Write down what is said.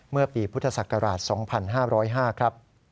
เมื่อปีพุทธศักราช๒๕๐๕ครับ